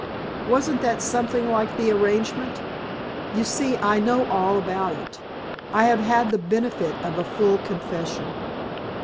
Wasn't that something like the arrangement? You see I know all about it. I have had the benefit of a full confession."